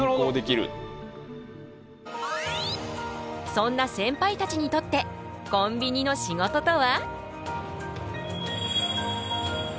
そんなセンパイたちにとってコンビニの仕事とは？